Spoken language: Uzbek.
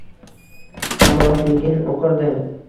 Hamrohligin o’qirdi.